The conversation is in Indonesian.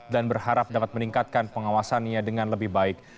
dan berharap dapat meningkatkan pengawasannya dengan lebih baik